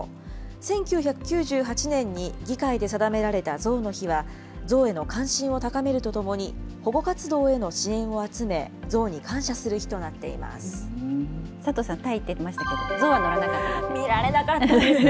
１９９８年に議会で定められたゾウの日は、ゾウへの関心を高めるとともに、保護活動への支援を集め、ゾウに佐藤さん、タイ行っていましたけど、ゾウは見られなかったですか？